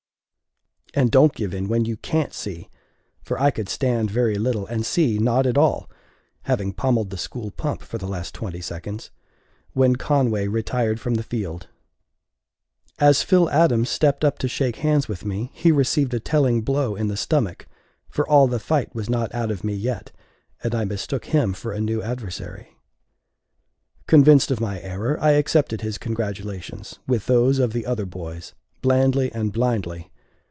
And don't give in when you can't! see! For I could stand very little, and see not at all (having pommelled the school pump for the last twenty seconds), when Conway retired from the field. As Phil Adams stepped up to shake hands with me, he received a telling blow in the stomach; for all the fight was not out of me yet, and I mistook him for a new adversary. Convinced of my error, I accepted his congratulations, with those of the other boys, blandly and blindly.